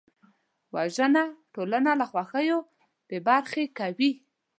وژنه ټولنه له خوښیو بېبرخې کوي